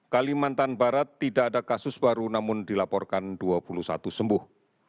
kalimantan barat tidak ada kasus baru namun dilaporkan dua puluh satu sembuh